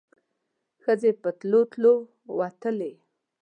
ښځې په تلو تلو وتلې.